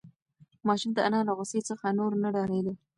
ماشوم د انا له غوسې څخه نور نه ډارېده.